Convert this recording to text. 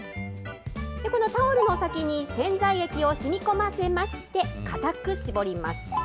このタオルの先に洗剤液をしみこませまして、固く絞ります。